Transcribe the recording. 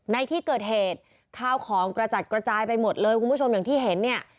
ในที่เกิดเหตุข้าวของกระจัดกระจายไปหมดเลยคุณผู้ชมอย่างที่เห็นเนี่ย